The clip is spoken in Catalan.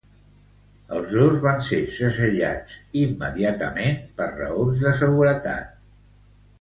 Els dos van ser segellats immediatament per raons de seguretat.